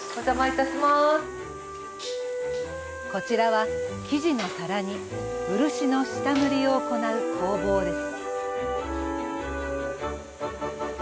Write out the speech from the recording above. こちらは、木地の皿に漆の下塗りを行う工房です。